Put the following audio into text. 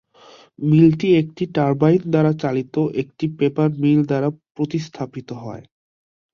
মিলটি একটি টার্বাইন দ্বারা চালিত একটি পেপার মিল দ্বারা প্রতিস্থাপিত হয়।